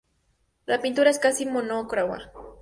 La pintura es casi monocroma.